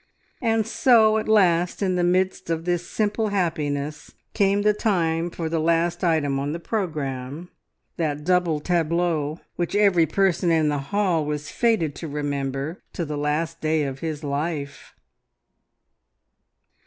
And so at last in the midst of this simple happiness came the time for the last item on the programme that double tableau which every person in the hall was fated to remember, to the last day of his life!